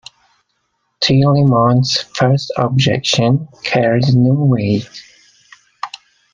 Tillemont's first objection carries no weight.